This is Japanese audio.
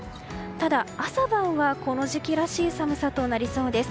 ただ、朝晩は、この時期らしい寒さとなりそうです。